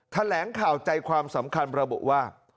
แถลงข่าวใจความสำคัญระบุว่า